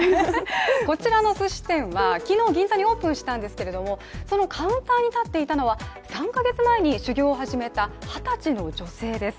こちらのすし店は昨日銀座にオープンしたんですけれども、そのカウンターに立っていたのは３か月前に修業を始めた二十歳の女性です。